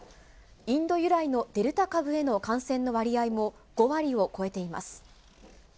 インド由来のデルタ株への感染の割合も５割を超えています。